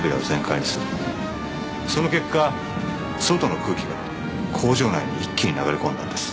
その結果外の空気が工場内に一気に流れ込んだんです。